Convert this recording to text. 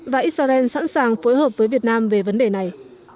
và israel sẵn sàng phối hợp với việt nam về vấn đề này